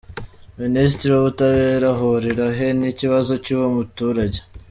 Minisitiri w’ubutabera ahurira he n’ikibazo cy’uwo muturage?.